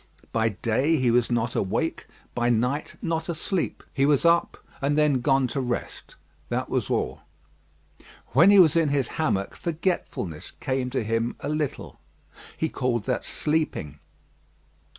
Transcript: By day he was not awake, by night not asleep. He was up, and then gone to rest, that was all. When he was in his hammock forgetfulness came to him a little. He called that sleeping.